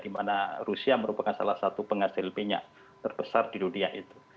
di mana rusia merupakan salah satu penghasil minyak terbesar di dunia itu